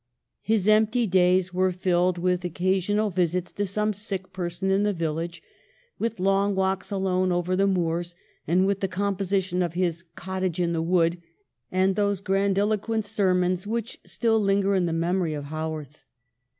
His empty days were filled with occasional BABYHOOD. 25 visits to some sick person in the village ; with long walks alone over the moors, and with the composition of his ' Cottage in the Wood ' and those grandiloquent sermons which still linger in the memory of Haworth.